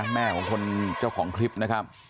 แม่ของคนเจ้าของคลิปนะครับ